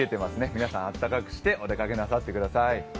皆さん、あったかくしてお出かけなさってください。